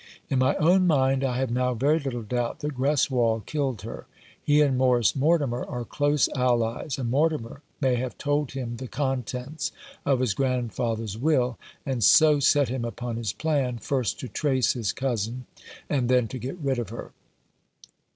In my own mind I have now very little doubt that Greswold killed her. He and Morris Mortimer are close allies, and Mortimer may have told him the contents of his grandfather's will, and so set him upon his plan, first to trace his cousin, and then to get rid of her.